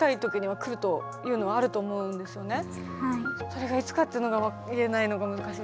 それがいつかっていうのが言えないのが難しい。